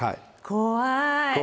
「怖い」。